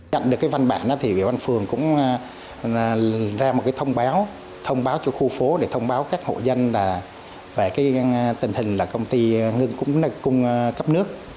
cạnh được cái văn bản thì ủy ban phường cũng ra một cái thông báo thông báo cho khu phố để thông báo các hộ dân là về cái tình hình là công ty cũng cung cấp nước